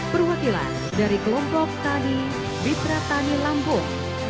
perwakilan dari kelompok tani bipra tani lampung